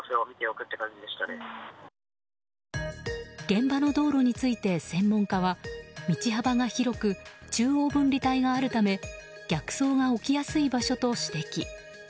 現場の道路について専門家は道幅が広く中央分離帯があるため逆走が起きやすい場所と指摘。